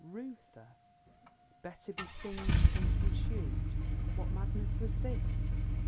Reuther? Better be singed than consumed? What madness was this?